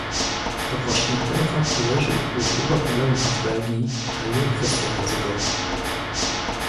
To właśnie ten fakt leży u źródła problemów w Belgii, a nie kwestia językowa